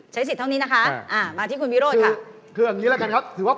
ใช้สิทธิ์เท่านี้นะคะมาที่คุณวิโรจ่า